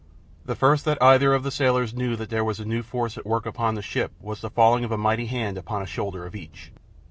The first that either of the sailors knew that there was a new force at work upon the ship was the falling of a mighty hand upon a shoulder of each.